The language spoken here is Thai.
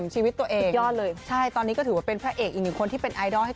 เฮ้อ